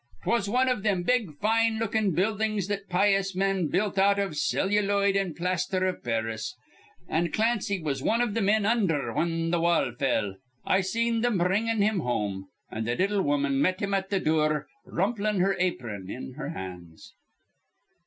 'Twas wan iv thim big, fine lookin' buildings that pious men built out iv celluloid an' plasther iv Paris. An' Clancy was wan iv th' men undher whin th' wall fell. I seen thim bringin' him home; an' th' little woman met him at th' dure, rumplin' her apron in her hands."